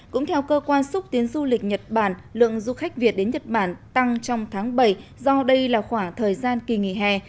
cũng theo cơ quan xúc tiến du lịch nhật bản lượng du khách việt đến nhật bản tăng trong tháng bảy do đây là khoảng thời gian kỳ nghỉ hè